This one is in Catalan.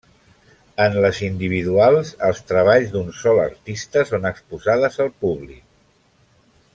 En les individuals els treballs d'un sol artista són exposades al públic.